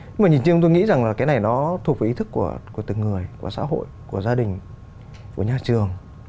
nhưng mà nhìn chung tôi nghĩ rằng là cái này nó thuộc về ý thức của từng người của xã hội của gia đình của nhà trường